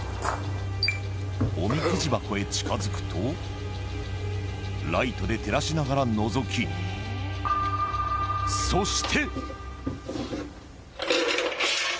おみくじ箱へ近くとライトで照らしながらのぞきそして。